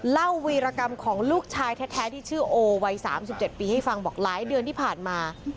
วีรกรรมของลูกชายแท้ที่ชื่อโอวัย๓๗ปีให้ฟังบอกหลายเดือนที่ผ่านมา